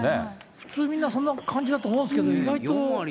普通みんなそんな感じだと思うんですけど、意外と。